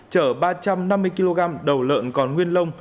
chở ba trăm năm mươi kg đầu lợn còn nguyên lông